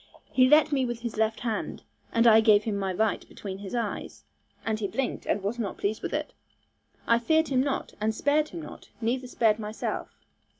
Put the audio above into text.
He let at me with his left hand, and I gave him my right between his eyes, and he blinked, and was not pleased with it. I feared him not, and spared him not, neither spared myself.